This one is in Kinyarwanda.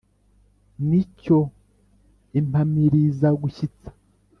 ni cyo impamirizagushyitsa